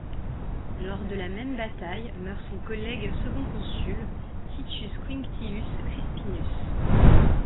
Lors de la même bataille meurt son collègue second consul, Titus Quinctius Crispinus.